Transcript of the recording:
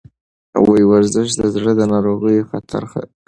ورزش د زړه ناروغیو خطر کموي.